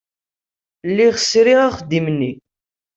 Lliɣ sriɣ axeddim-nni.